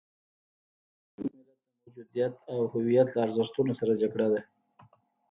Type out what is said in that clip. د یوه باتور ملت د موجودیت او هویت له ارزښتونو سره جګړه ده.